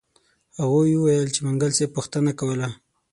هغوی وویل چې منګل صاحب پوښتنه کوله.